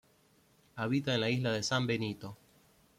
Habita en la isla de San Benito.